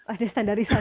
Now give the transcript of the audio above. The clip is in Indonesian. ada standarisasi nya ya